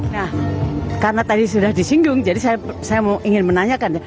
nah karena tadi sudah disinggung jadi saya ingin menanyakan ya